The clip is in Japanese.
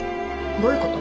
どういうこと？